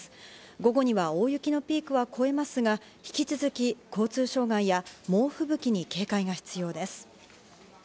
午後には大雪のピークは越えますが、引き続き交通障害や猛吹雪に警戒が必要です。